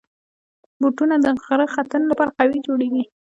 بوټونه د غره ختنې لپاره قوي جوړېږي.